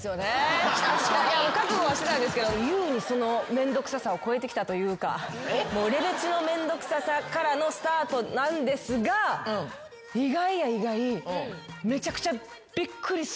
覚悟はしてたんですけど優にそのめんどくささを超えてきたというかレベチのめんどくささからのスタートなんですが意外や意外めちゃくちゃ。